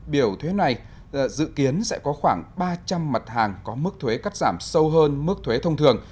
biểu thuế này dự kiến sẽ có khoảng ba trăm linh mặt hàng có mức thuế cắt giảm sâu hơn mức thuế thông thường